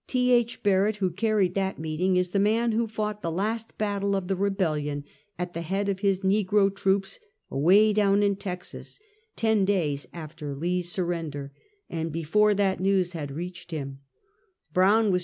T. II. Barrett, who carried that meeting, is the man who fought the last battle of the Rebellion at the head of his negro troops away down in Texas, ten days after Lee's surrender, and before that news had reached him, Brown was A Famous Victoey.